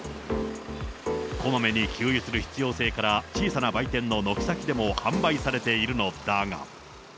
こまめに給油する必要性から、小さな売店の軒先でも販売されているのだが。